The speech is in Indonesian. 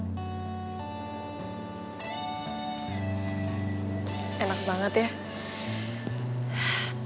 tinggal tanpa ada gangguan dari adriana